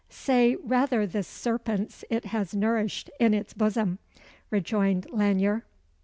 "Say rather the serpents it has nourished in its bosom," rejoined Lanyere.